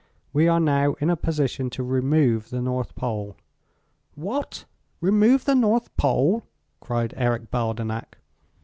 We are now in a position to remove the North Pole." "What, remove the North Pole?" cried Eric Baldenak.